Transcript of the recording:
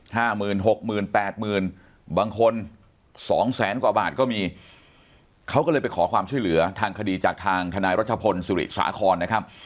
ห้าหมื่นหกหมื่นแปดหมื่นบางคนสองแสนกว่าบาทก็มีเขาก็เลยไปขอความช่วยเหลือทางคดีจากทางทนายรัชพลสุริสาครนะครับ